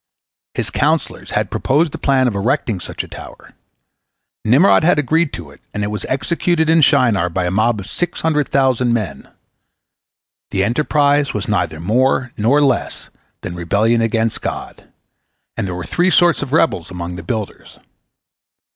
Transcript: His counsellors had proposed the plan of erecting such a tower, Nimrod had agreed to it, and it was executed in Shinar by a mob of six hundred thousand men. The enterprise was neither more nor less than rebellion against God, and there were three sorts of rebels among the builders.